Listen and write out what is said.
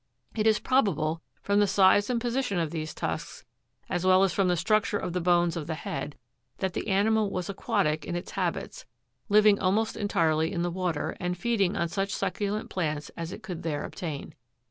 It is probable, from the size and position of these tusks, as well as from the structure of the bones of the head, that the animal was aquatic in its habits, living almost entirely in the water, and feeding on such succu lent plants as it could there obtain.